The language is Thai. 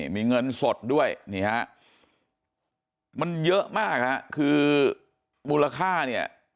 มีเงินสดด้วยนี่ฮะมันเยอะมากฮะคือมูลค่าเนี่ย